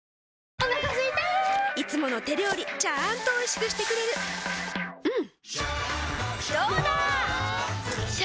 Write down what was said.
お腹すいたいつもの手料理ちゃんとおいしくしてくれるジューうんどうだわ！